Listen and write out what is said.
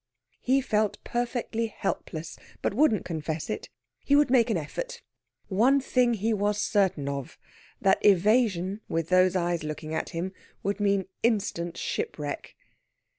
He felt perfectly helpless, but wouldn't confess it. He would make an effort. One thing he was certain of: that evasion, with those eyes looking at him, would mean instant shipwreck.